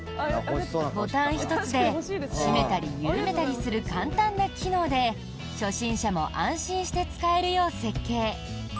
ボタン１つで締めたり緩めたりする簡単な機能で初心者も安心して使えるよう設計。